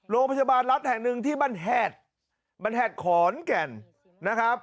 โรงพยาบาลรัดแห่ง๑ที่บานแห่ดบานแห่ดขอนแกน